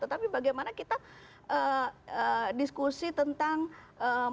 tetapi bagaimana kita diskusi tentang membuat demokrasi